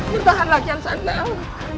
bertahanlah kian santang